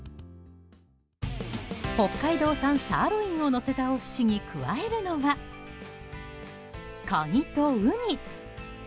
北海道産サーロインをのせたお寿司に加えるのはカニとウニ！